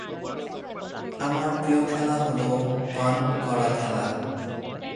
আমার প্রিয় খেলা হল ভান করা খেলা।